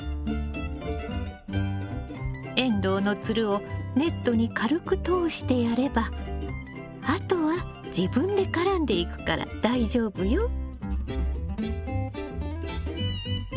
エンドウのつるをネットに軽く通してやればあとは自分で絡んでいくから大丈夫よ。